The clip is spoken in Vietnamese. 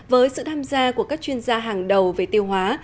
với sự tham gia của các chuyên gia hàng đầu về tiêu hóa